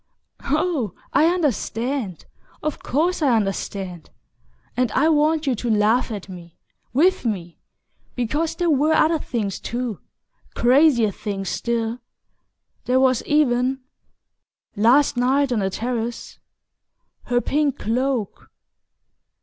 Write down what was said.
"Oh, I understand; of course I understand; and I want you to laugh at me with me! Because there were other things too ... crazier things still...There was even last night on the terrace her pink cloak..."